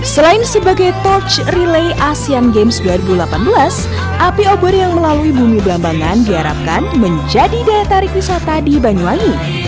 selain sebagai touch relay asean games dua ribu delapan belas api obor yang melalui bumi belambangan diharapkan menjadi daya tarik wisata di banyuwangi